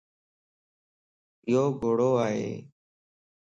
يو گوڙو ائي.